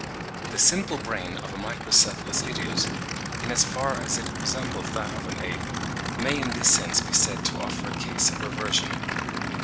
The simple brain of a microcephalous idiot, in as far as it resembles that of an ape, may in this sense be said to offer a case of reversion.